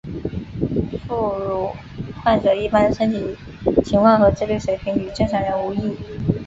副乳患者一般身体情况和智力水平与正常人无异。